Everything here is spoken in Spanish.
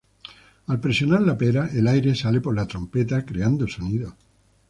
Al presionar la pera, el aire sale por la trompeta, creando sonido.